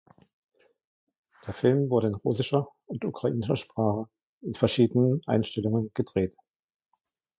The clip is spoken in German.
Der Film wurde in russischer und ukrainischer Sprache in verschiedenen Einstellungen gedreht.